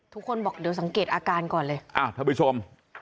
ทุกคนบอกเดี๋ยวสังเกตอาการก่อนเลยอ้าวท่านผู้ชม